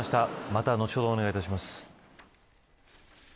また後ほど、お願いします。